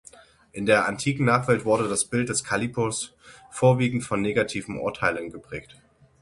In der antiken Nachwelt wurde das Bild des Kallippos vorwiegend von negativen Urteilen geprägt.